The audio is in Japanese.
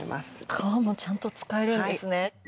皮もちゃんと使えるんですね。